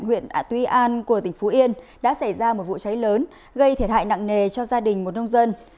huyện tuy an của tỉnh phú yên đã xảy ra một vụ cháy lớn gây thiệt hại nặng nề cho gia đình một nông dân